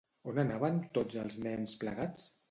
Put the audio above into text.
On anaven tots els nens plegats?